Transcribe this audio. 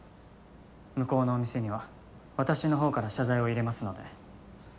向こうのお店には私の方から謝罪を入れますので。